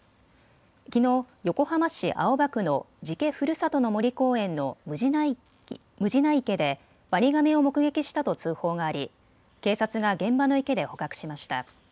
きのう横浜市青葉区の寺家ふるさとの森公園のむじな池でワニガメを目撃したと通報があり警察が現場の池で捕獲しました。